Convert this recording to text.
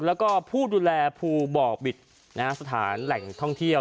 แล้วก็ผู้ดูแลภูบ่อบิตสถานแหล่งท่องเที่ยว